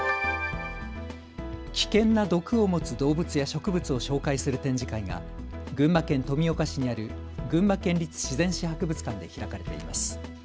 危険な毒を持つ動物や植物を紹介する展示会が群馬県富岡市にある群馬県立自然史博物館で開かれています。